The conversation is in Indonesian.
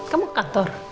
kamu ke kantor